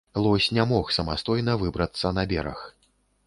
Лось не мог самастойна выбрацца на бераг.